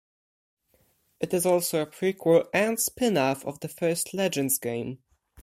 It is also a prequel and spin-off of the first Legends game.